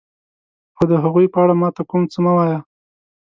خو د هغوی په اړه ما ته کوم څه مه وایه.